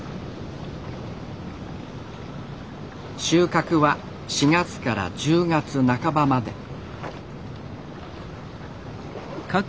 収穫は４月から１０月半ばまで。